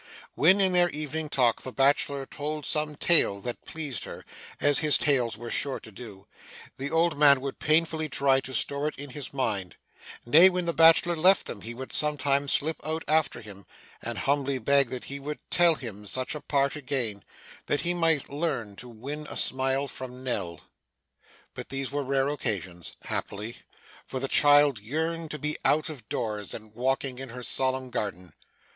When, in their evening talk, the bachelor told some tale that pleased her (as his tales were sure to do), the old man would painfully try to store it in his mind; nay, when the bachelor left them, he would sometimes slip out after him, and humbly beg that he would tell him such a part again, that he might learn to win a smile from Nell. But these were rare occasions, happily; for the child yearned to be out of doors, and walking in her solemn garden.